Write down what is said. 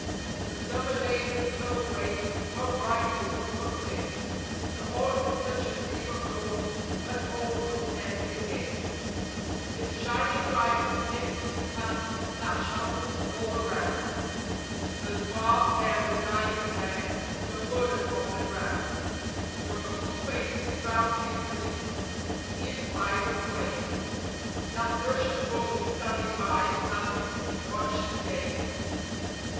The summer days and summer ways, how bright with hope and bliss! The autumn such a dream of gold ... and all must end in this: This shining rifle in his hand, that shambles all around; The Zouave there with dying glare; the blood upon the ground; The brutal faces round him ringed, the evil eyes aflame; That Prussian bully standing by, as if he watched a game.